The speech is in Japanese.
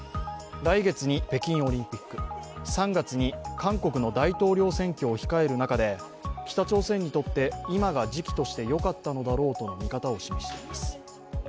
来月に北京オリンピック、３月に韓国の大統領選挙を控える中で北朝鮮にとって今が時期としてよかったのだろうとの見方を示しています。